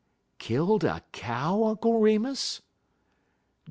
"Killed a cow, Uncle Remus?"